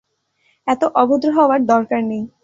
এত অভদ্র হওয়ার দরকার নেই।